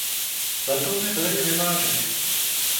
Letouny byly i vyváženy.